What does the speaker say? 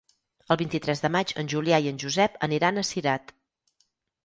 El vint-i-tres de maig en Julià i en Josep aniran a Cirat.